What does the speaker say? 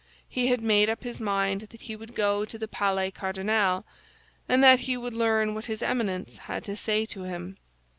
He had made up his mind that he would go to the Palais Cardinal, and that he would learn what his Eminence had to say to him.